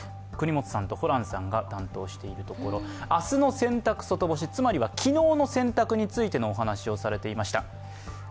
國本さんとホランさんが担当しているところ、明日の洗濯外干しつまりは昨日の洗濯についてのお話をされていました。